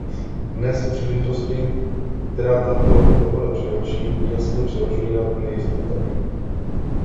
Dnes příležitosti, které tato dohoda přináší, jasně převažují nad nejistotami.